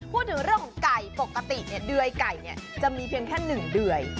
พูดถึงเรื่องของไก่ปกติเนี่ยเดือยไก่เนี่ยจะมีเพียงแค่หนึ่งเดือย